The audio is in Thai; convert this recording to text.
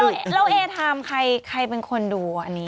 เหมือนรักเราแอร์ทามใครเป็นคนดูอันนี้